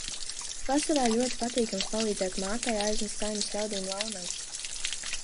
Vasarā ļoti patīkams, palīdzēt mātei aiznest saimes ļaudīm launagu.